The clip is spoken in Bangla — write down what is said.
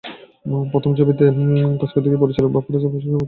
প্রথম ছবিতে কাজ করতে গিয়ে পরিচালক বাপ্পারাজের প্রশংসায় পঞ্চমুখ হয়েছেন নিপুণ।